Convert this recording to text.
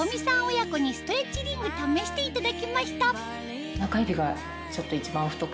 親子にストレッチリング試していただきました